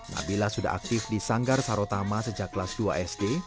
nabila sudah aktif di sanggar sarotama sejak kelas dua sd